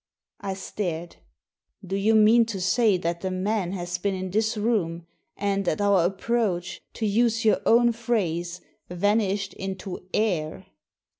" I stared "Do you mean to say that the man has been in this room, and at our approach, to use your own phrase, vanished into air?"